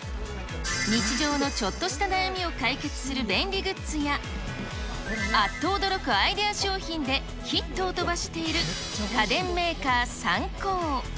日常のちょっとした悩みを解決する便利グッズや、あっと驚くアイデア商品でヒットを飛ばしている、家電メーカー、サンコー。